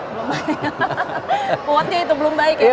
buatnya itu belum baik ya pak